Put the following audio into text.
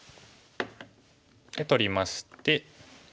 で取りまして。